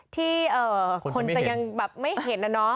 ที่คนจะยังแบบไม่เห็นนะเนาะ